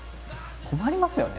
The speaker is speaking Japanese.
困りますよね。